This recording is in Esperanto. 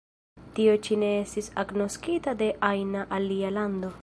Tio ĉi ne estis agnoskita de ajna alia lando.